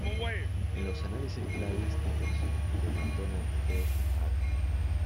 En los análisis cladísticos de McDonald "et al.